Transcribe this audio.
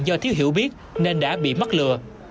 do thiếu hiểu biết nên đã bị mắc lừa